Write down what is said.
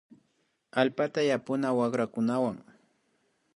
Allpata yapuna wakrakunawan